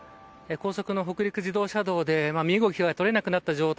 高速の北陸自動車道で身動きが取れなくなった状態。